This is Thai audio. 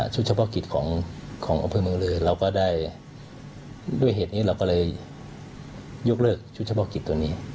เฉพาะกิจของอำเภอเมืองเลยเราก็ได้ด้วยเหตุนี้เราก็เลยยกเลิกชุดเฉพาะกิจตัวนี้